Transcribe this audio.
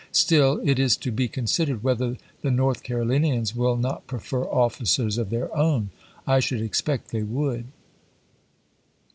Still, it is to be considered whether the North Carolinians will not prefer officers of theii* own. I should expect they would.